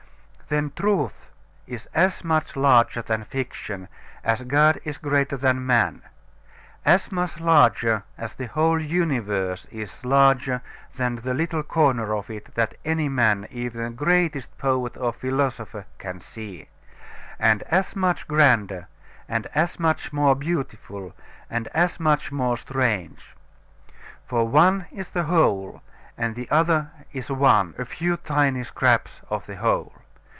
Then truth is as much larger than fiction, as God is greater than man; as much larger as the whole universe is larger than the little corner of it that any man, even the greatest poet or philosopher, can see; and as much grander, and as much more beautiful, and as much more strange. For one is the whole, and the other is one, a few tiny scraps of the whole.